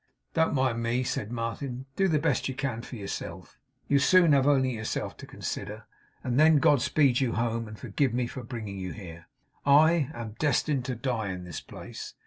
'Don't mind me,' said Martin. 'Do the best you can for yourself. You'll soon have only yourself to consider. And then God speed you home, and forgive me for bringing you here! I am destined to die in this place.